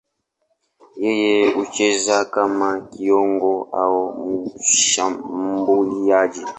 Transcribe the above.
Yeye hucheza kama kiungo au mshambuliaji.